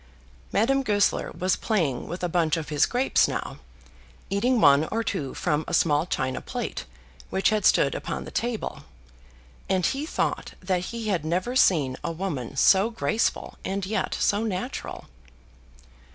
Madame Goesler was playing with a bunch of his grapes now, eating one or two from a small china plate which had stood upon the table, and he thought that he had never seen a woman so graceful and yet so natural.